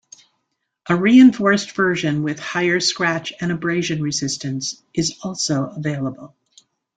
A reinforced version with higher scratch and abrasion resistance is also available.